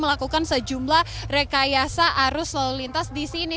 melakukan sejumlah rekayasa arus lalu lintas di sini